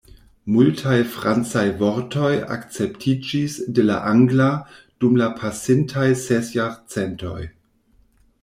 Multaj francaj vortoj akceptiĝis de la angla dum la pasintaj ses jarcentoj.